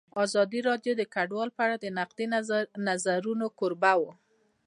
ازادي راډیو د کډوال په اړه د نقدي نظرونو کوربه وه.